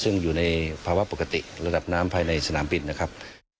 ซึ่งอยู่ในภาวะปกติระดับน้ำภายในสนามบินนะครับ